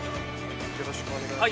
・よろしくお願いします